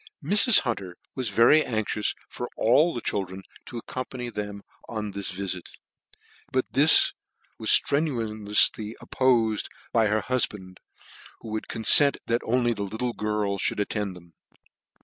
Mrs. Hunter was very anxious for all the children to accompany them on this vifk ; but this was ftrenuoufly oppofed by her hufband, who would confent that only the little girl fbould attend them.